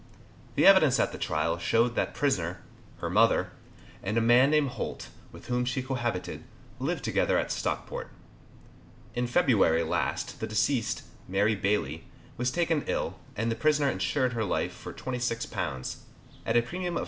The evidence at the trial showed that prisoner, her mother, and a man named Holt, with whom she cohabited, lived together at Stockport. In February last the deceased, Mary Bailey, was taken ill, and the prisoner insured her life for £26, at a premium of 6d.